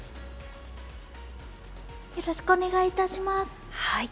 よろしくお願いします。